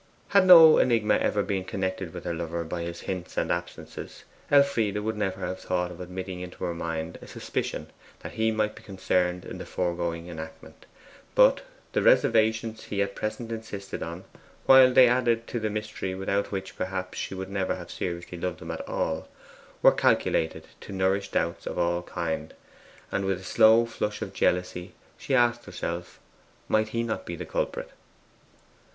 Had no enigma ever been connected with her lover by his hints and absences, Elfride would never have thought of admitting into her mind a suspicion that he might be concerned in the foregoing enactment. But the reservations he at present insisted on, while they added to the mystery without which perhaps she would never have seriously loved him at all, were calculated to nourish doubts of all kinds, and with a slow flush of jealousy she asked herself, might he not be the culprit?